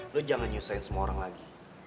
lo jangan nyusahin semua orang lagi